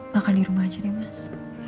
makan dirumah aja deh mas